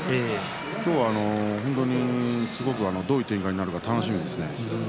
今日は本当にすごくどういう展開になるのか楽しみですね。